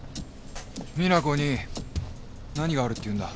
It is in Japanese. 実那子に何があるって言うんだ？